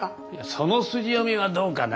その筋読みはどうかな。